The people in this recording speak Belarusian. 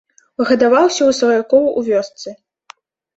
Гадаваўся ў сваякоў у вёсцы.